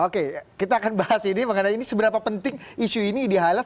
oke kita akan bahas ini mengenai ini seberapa penting isu ini di highlight